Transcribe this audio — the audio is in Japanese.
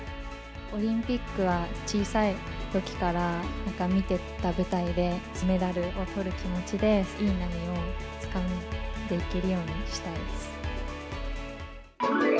オリンピックは小さいときから見てた舞台で、メダルをとる気持ちで、いい波をつかんでいけるようにしたいです。